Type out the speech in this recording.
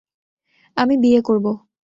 আমি বিয়ে করব!